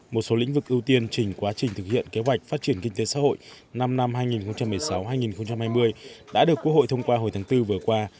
một số lĩnh vực ưu tiên trình quá trình thực hiện kế hoạch phát triển kinh tế xã hội năm năm hai nghìn một mươi sáu hai nghìn hai mươi đã được quốc hội thông qua hồi tháng bốn vừa qua